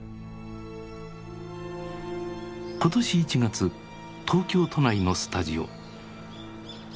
今年１月東京都内のスタジオ。